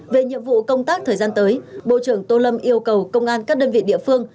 về nhiệm vụ công tác thời gian tới bộ trưởng tô lâm yêu cầu công an các đơn vị địa phương